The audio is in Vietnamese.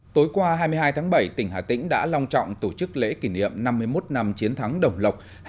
tối qua hai mươi hai tháng bảy tỉnh hà tĩnh đã long trọng tổ chức lễ kỷ niệm năm mươi một năm chiến thắng đồng lộc